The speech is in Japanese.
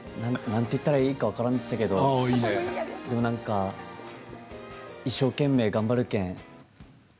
何言ったらいいか分からんちゃけど一生懸命頑張るけん。